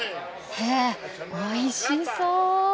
へえおいしそう。